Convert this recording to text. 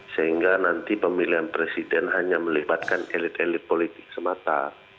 sehingga nanti pemilihan presiden hanya melibatkan elit elit politik semata